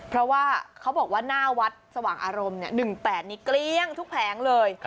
เพราะว่าเขาบอกว่าหน้าวัดสว่างอารมณ์๑๘นี่เกลี้ยงทุกแผงเลย